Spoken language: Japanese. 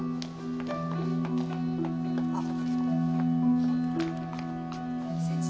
あっ。